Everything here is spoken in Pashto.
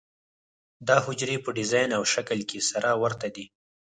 دا حجرې په ډیزاین او شکل کې سره ورته دي.